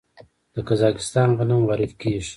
د قزاقستان غنم وارد کیږي.